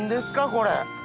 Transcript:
これ。